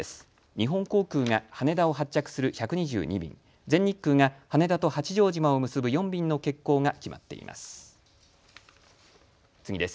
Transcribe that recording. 日本航空が羽田を発着する１２２便、全日空が羽田と八丈島を結ぶ４便の欠航が決まっています。